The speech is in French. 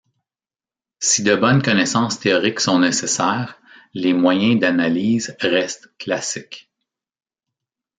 Si de bonnes connaissances théoriques sont nécessaires, les moyens d'analyse restent classiques.